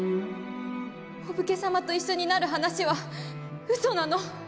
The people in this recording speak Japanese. お武家様と一緒になる話はうそなの。